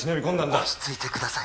落ち着いてください